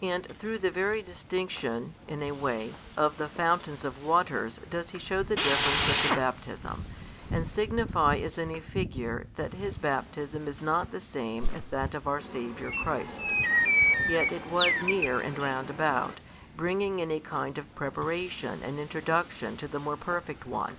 And through the very distinction (in a way) of the fountains of waters does he shew the difference of the baptism, and signify as in a figure that his baptism is not the same as that of our Saviour Christ: yet was it near and round about, bringing in a kind of preparation and introduction to the more perfect one.